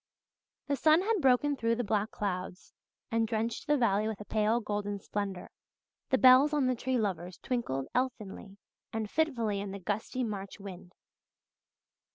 The sun had broken through the black clouds and drenched the valley with a pale golden splendour. The bells on the Tree Lovers twinkled elfinly and fitfully in the gusty March wind.